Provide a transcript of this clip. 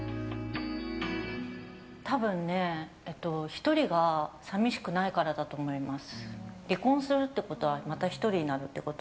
多分、１人が寂しくないからだと思います。